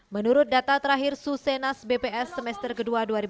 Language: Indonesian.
menurut data terakhir susenas bps semester ke dua dua ribu tujuh belas